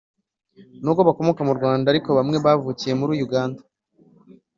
nubwo bakomoka mu rwanda ariko bamwe bavukiye muri uganda